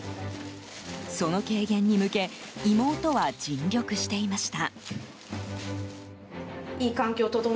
その軽減に向け妹は尽力していました。